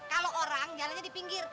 kalau orang jalannya di pinggir